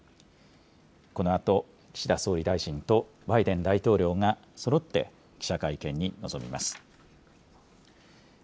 このあと、岸田総理大臣とバイデン大統領が、そろって記者会見に臨みます。